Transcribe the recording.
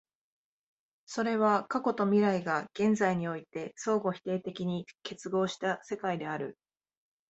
それは過去と未来が現在において相互否定的に結合した世界である。